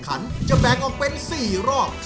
ของผู้รัก